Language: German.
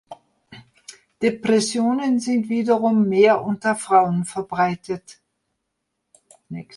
Depressionen sind wiederum mehr unter Frauen verbreitet.